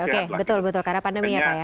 oke betul betul karena pandemi ya pak ya